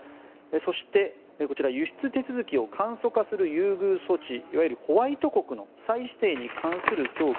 そして、こちら輸出手続きを簡素化する優遇措置いわゆるホワイト国の再指定に関する協議